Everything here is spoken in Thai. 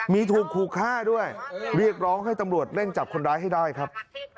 มีถูกขู่ฆ่าด้วยเรียกร้องให้ตำรวจเร่งจับคนร้ายให้ได้ครับ